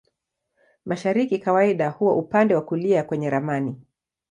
Mashariki kawaida huwa upande wa kulia kwenye ramani.